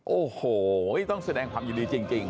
โอ้โฮต้องแสดงผลัพธิ์อยู่ดีจริง